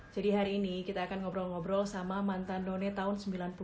jadi hari ini kita akan ngobrol ngobrol sama mantan nonnya tahun sembilan puluh tiga